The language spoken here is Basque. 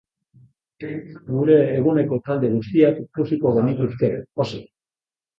Gure eguneko talde guztiak ikusiko genituzke, pozik!